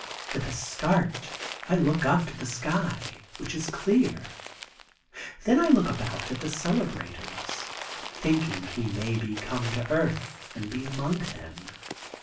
With a start, I look up to the sky, which is clear. Then I look about at the celebrators, thinking he may be come to earth, and be among them.